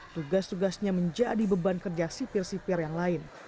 tugas tugasnya menjadi beban kerja sipir sipir yang lain